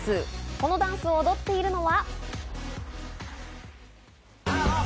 このダンスを踊っているのが。